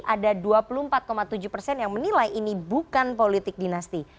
ada dua puluh empat tujuh persen yang menilai ini bukan politik dinasti